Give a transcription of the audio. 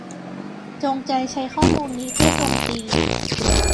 จงใจใช้ข้อมูลนี้เพื่อโจมตี